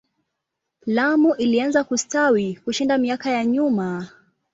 Lamu ilianza kustawi kushinda miaka ya nyuma.